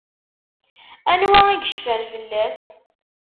Anwa i yecfan fell-as?